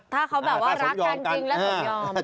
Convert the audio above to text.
ถ้าเขาแบบว่ารักกันจริงแล้วสมยอม